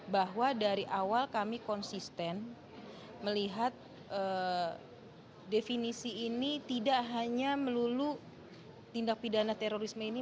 bahwa dari awal kami konsisten melihat definisi ini tidak hanya melulu tindak pidana terorisme ini